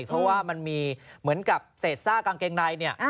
เพราะว่ามันมีเหมือนกับเศษซ่ากางเกงในเนี่ย